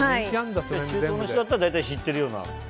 中東の人だったら大体知ってるような。